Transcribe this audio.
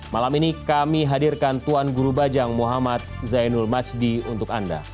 malam ini kami hadirkan tuan guru bajang muhammad zainul majdi untuk anda